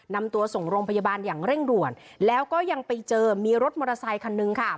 นำตัวส่งโรงพยาบาลอย่างเร่งด่วนแล้วก็ยังไปเจอมีรถมอเตอร์ไซคันนึงค่ะ